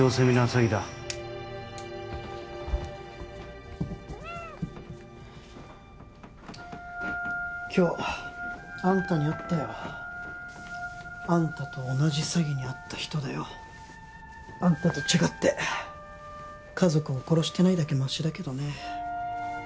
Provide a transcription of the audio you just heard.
詐欺だ今日あんたに会ったよあんたと同じ詐欺に遭った人だよあんたと違って家族を殺してないだけマシだけどね